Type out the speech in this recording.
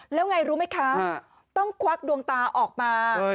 แล้วไงรู้ไหมคะต้องควักดวงตาออกมา